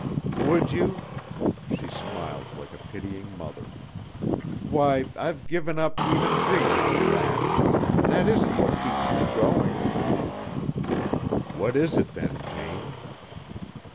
"Would you?" She smiled like a pitying mother. "Why, I've given up even dreaming of that. That isn't what keeps me going." "What is it, then, Jane?"